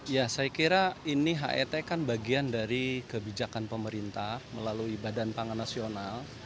ya saya kira ini het kan bagian dari kebijakan pemerintah melalui badan pangan nasional